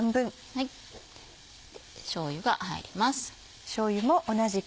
しょうゆが入ります。